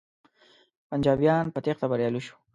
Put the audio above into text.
پنجابیان په تیښته بریالی شول.